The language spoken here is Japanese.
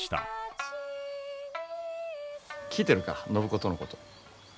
聞いてるか暢子とのこと。